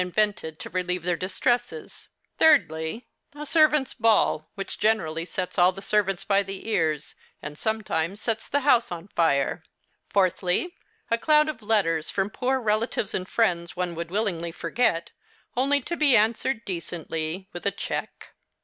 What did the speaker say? invented to relieve their distresses ; thirdly, a servants' ball, which generally sets all the servants by the ears, and sometimes sets the house on fire ; fourthly, a cloud of letters from poor relatives and friends one would willingly forget, only to be answered decently with a cheque.